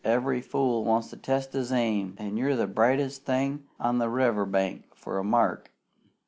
Every fool wants to test his aim, an' you're the brightest thing on the river bank for a mark.